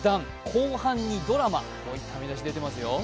後半にドラマ、といった見出しが出てますよ。